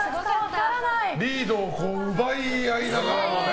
リードを奪い合いながらね。